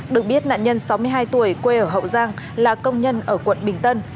được biết nạn nhân sáu mươi hai tuổi quê ở hậu giang là công nhân ở quận bình tân